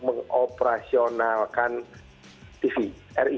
di operasionalkan tvri